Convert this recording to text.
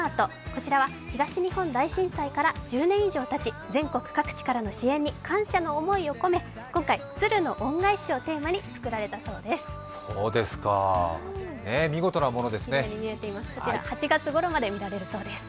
こちらは東日本大震災から１０年以上たち、全国各地からの支援に感謝の思いを込め今回、鶴の恩返しをテーマに作られたそうです。